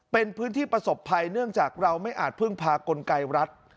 เป็นพื้นที่ประสบภัยเนื่องจากเราไม่อาจพึ่งพากลไกรรัฐ